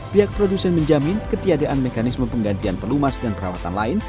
pihak produsen menjamin ketiadaan mekanisme penggantian pelumas dan perawatan lain